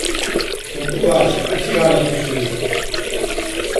Son courage attira l'attention du Roi.